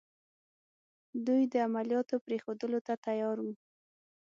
دوی د عملیاتو پرېښودلو ته تیار وو.